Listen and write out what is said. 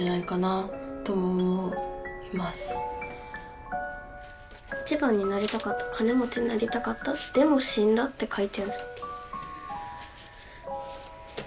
「いちばんになりたかったかねもちになりたかったでもしんだ」って書いてある。